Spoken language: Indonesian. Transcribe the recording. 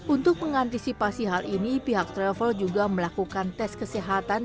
untuk mengantisipasi hal ini pihak travel juga melakukan tes kesehatan